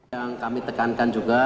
yang kami tekankan juga